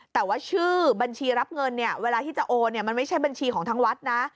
แต่ว่าชื่อบัญชีรับเงินเนี่ยเวลาที่จะโอนเนี่ยมันไม่ใช่บัญชีของทางวัดนะ